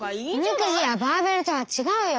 おみくじやバーベルとはちがうよ！